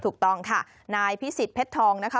ถูกต้องค่ะนายพิสิทธิเพชรทองนะคะ